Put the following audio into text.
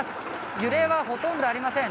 揺れはほとんどありません。